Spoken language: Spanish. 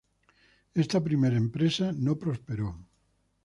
Esta primera empresa no prosperó.